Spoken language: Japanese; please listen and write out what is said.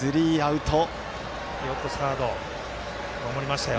よくサード、守りましたよ。